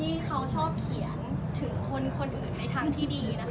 ที่เขาชอบเขียนถึงคนอื่นในทางที่ดีนะคะ